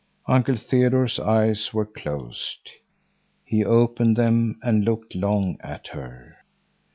Uncle Theodore's eyes were closed. He opened them and looked long at her.